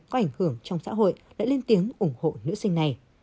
có ảnh hưởng trong xã hội đã lên tiếng ủng hộ nữ sinh này